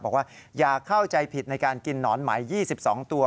บอกว่าอย่าเข้าใจผิดในการกินหนอนไหม๒๒ตัว